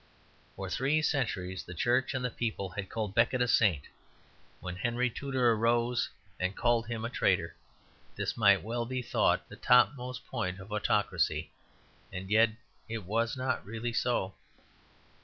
For three centuries the Church and the people had called Becket a saint, when Henry Tudor arose and called him a traitor. This might well be thought the topmost point of autocracy; and yet it was not really so.